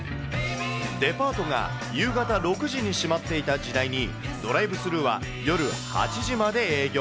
デパートが夕方６時に閉まっていた時代に、ドライブスルーは夜８時まで営業。